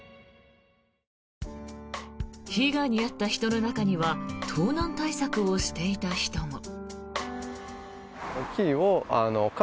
被害に遭った人の中には盗難対策をしていた人も。